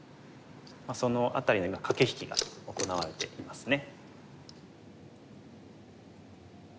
その辺りの駆け引きが行われていますね。